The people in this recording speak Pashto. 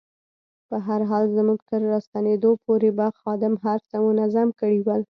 په هر حال زموږ تر راستنېدا پورې به خادم هر څه منظم کړي ول.